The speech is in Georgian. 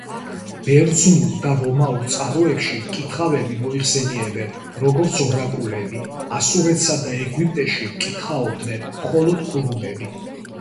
ბერძნულ და რომაულ წყაროებში მკითხავები მოიხსენებიან, როგორც ორაკულები; ასურეთსა და ეგვიპტეში მკითხაობდნენ მხოლოდ ქურუმები.